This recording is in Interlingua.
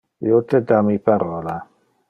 Io te da mi parola.